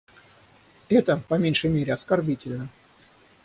Это, по меньшей мере, оскорбительно.